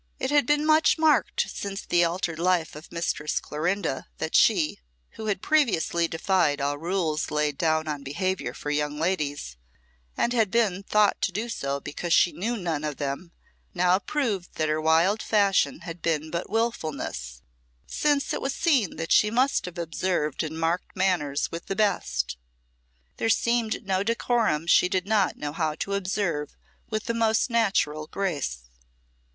It had been much marked since the altered life of Mistress Clorinda that she, who had previously defied all rules laid down on behaviour for young ladies, and had been thought to do so because she knew none of them, now proved that her wild fashion had been but wilfulness, since it was seen that she must have observed and marked manners with the best. There seemed no decorum she did not know how to observe with the most natural grace.